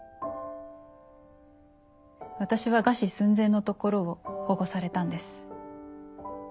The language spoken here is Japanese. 私は餓死寸前のところを保護されたんです。